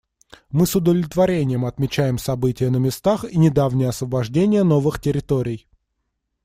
Мы с удовлетворением отмечаем события на местах и недавнее освобождение новых территорий.